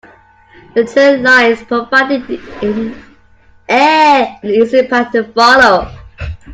The train lines provided an easy path to follow.